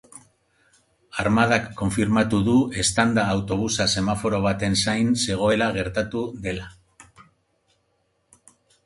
Armadak konfirmatu du eztanda autobusa semaforo baten zain zegoela gertatu dela.